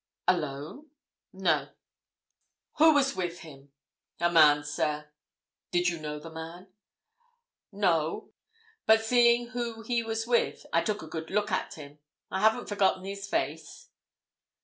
"Alone?" "No." "Who was with him?" "A man, sir." "Did you know the man?" "No. But seeing who he was with. I took a good look at him. I haven't forgotten his face."